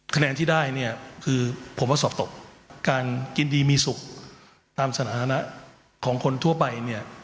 คะแนนที่ได้เนี่ยคือผมว่าสอบตกการกินดีมีสุขตามสถานะของคนทั่วไปเนี่ย